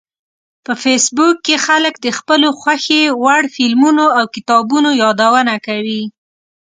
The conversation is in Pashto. په فېسبوک کې خلک د خپلو خوښې وړ فلمونو او کتابونو یادونه کوي